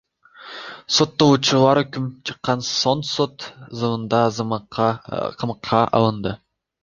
Соттолуучулар өкүм чыккан соң сот залында камакка алынды.